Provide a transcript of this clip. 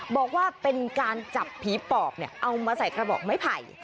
บอกว่าเป็นการจับผีปอบเอามาใส่กระบอกไม้ไผ่